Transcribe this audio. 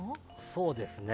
そうですね。